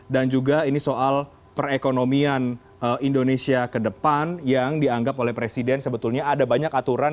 dan juga ini soal perekonomian indonesia ke depan yang dianggap oleh presiden sebetulnya ada banyak aturan